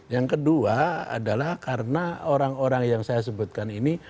yang kedua adalah karena orang orang yang saya sebutkan ini